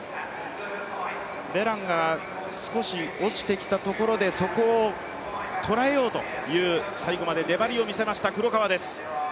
ベランが少し落ちてきたところで、そこを捉えようという最後まで粘りを見せました黒川です。